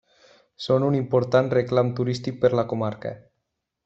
Són un important reclam turístic per a la comarca.